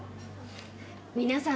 皆さん